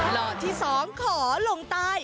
หล่อที่สองขอหลงตาย